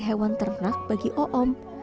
hewan ternak bagi oom